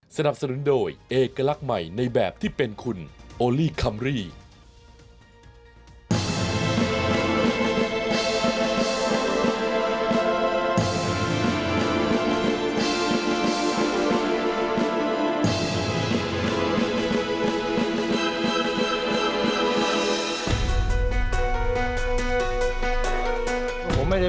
สนับสนุนโดยเอกลักษณ์ใหม่ในแบบที่เป็นคุณโอลี่คัมรี่